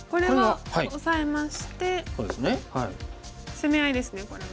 攻め合いですねこれは。